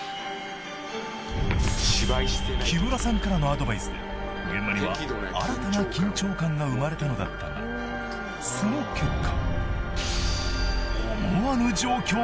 ［木村さんからのアドバイスで現場には新たな緊張感が生まれたのだったがその結果］